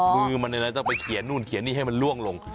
มือมันจะไปเคลียร์นู่นเคลียร์นี้ให้มันล่วงลง